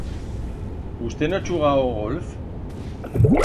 Usté no chuga a o golf?